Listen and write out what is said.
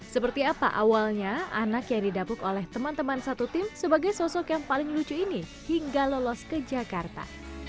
seperti apa awalnya anak yang didapuk oleh teman teman satu tim sebagai sosok yang paling lucu ini hingga lolos ke jakarta